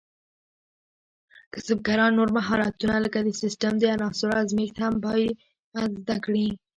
کسبګران نور مهارتونه لکه د سیسټم د عناصرو ازمېښت هم باید زده کړي.